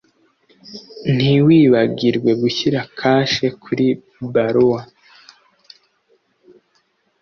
Ntiwibagirwe gushyira kashe kuri baruwa.